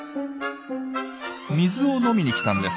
水を飲みに来たんです。